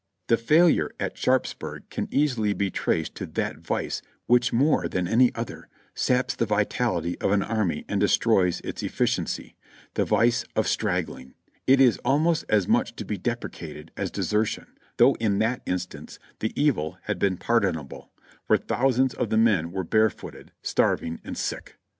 The failure at Sharpsburg can easily be traced to that vice which more than any other saps the vitality of an army and de stroys its efficiency, the vice of straggling; it is almost as much to be deprecated as desertion, though in that instance the evil had been pardonable, for thousands of the men were barefooted, starving and sick.